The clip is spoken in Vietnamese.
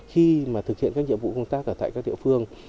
khi mà thực hiện các nhiệm vụ công tác ở tại các địa phương